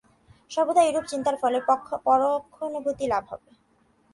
সর্বদা এইরূপ চিন্তার ফলে অপরোক্ষানুভূতি লাভ হবে।